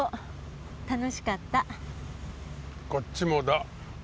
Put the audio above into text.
こっちもだ。